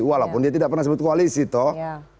walaupun dia tidak pernah sebut koalisi toh